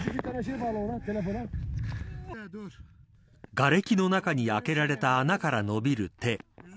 がれきの中に開けられた穴から伸びる手。